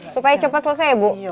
supaya cepat selesai ya bu